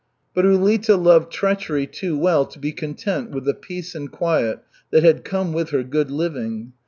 But Ulita loved treachery too well to be content with the peace and quiet that had come with her "good living."